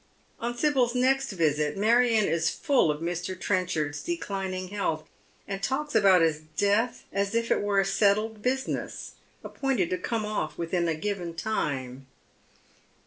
On Sibyl's next visit Marion is full of Mr. Trenchard's declining health, and talks about his death as if it were a settled business, appointed to come off within a given time.